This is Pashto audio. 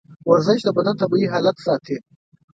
ورزش د بدن طبیعي حالت ساتي.